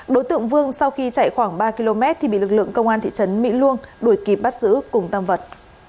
đối tượng vương sau khi chạy khoảng ba km thì bị lực lượng công an thị trấn mỹ luông đuổi kịp bắt giữ cùng tam vật